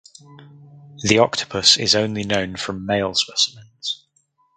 The octopus is only known from male specimens.